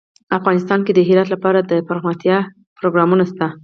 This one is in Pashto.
افغانستان کې د هرات لپاره دپرمختیا پروګرامونه شته.